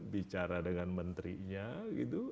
bicara dengan menterinya gitu